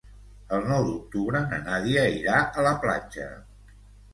El nou d'octubre na Nàdia irà a la platja.